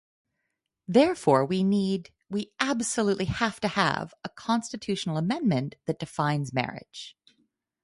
Therefore, we need, we absolutely have to have, a constitutional amendment that defines marriage.